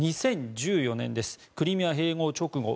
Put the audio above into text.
２０１４年、クリミア併合直後